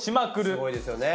すごいですよね。